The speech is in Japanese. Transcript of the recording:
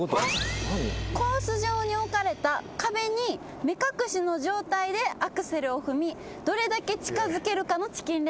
コース上に置かれた壁に目隠しの状態でアクセルを踏みどれだけ近づけるかのチキンレースです。